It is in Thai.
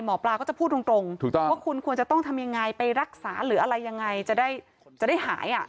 หมอปลาก็จะพูดตรงว่าคุณควรจะต้องทำยังไงไปรักษาหรืออะไรยังไงจะได้หาย